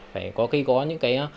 phải có những cái